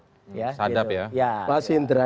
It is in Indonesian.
sadab ya pak sindra